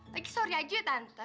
lagi sorry aja ya tante